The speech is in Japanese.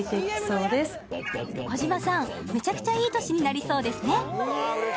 めちゃくちゃいい年になりそうですね！